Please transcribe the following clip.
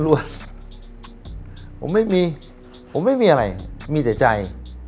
ผมไม่มีผมไม่มีอะไรมีแต่ใจ